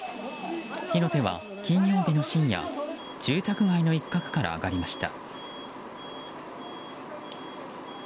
火の手は金曜日の深夜住宅街の一角から上がりました。